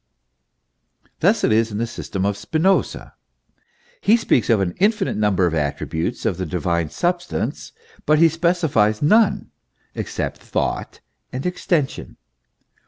Thus it is in the system of Spinoza. He speaks of an infinite number of attributes of the divine substance, but he specifies none except Thought and Extension.